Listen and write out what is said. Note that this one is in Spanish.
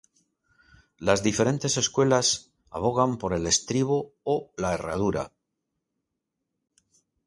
Las diferentes escuelas abogan por el estribo o la herradura.